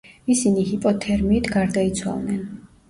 ისინი ჰიპოთერმიით გარდაიცვალნენ.